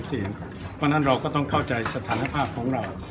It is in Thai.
เพราะฉะนั้นเราก็ต้องเข้าใจสถานภาพของเรา